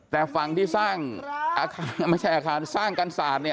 แต่ฝั่งที่สร้างอาคารไม่ใช่อาคารสร้างกันศาสตร์เนี่ย